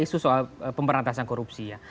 isu soal pemberantasan korupsi